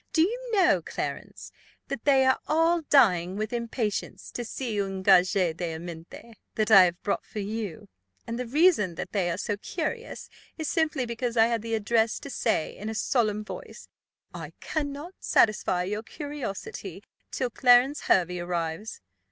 "Do you know, Clarence, that they are all dying with impatience to see un gage d'amitié that I have brought for you; and the reason that they are so curious is simply because I had the address to say, in a solemn voice, 'I cannot satisfy your curiosity till Clarence Hervey arrives.